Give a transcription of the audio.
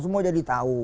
semua jadi tahu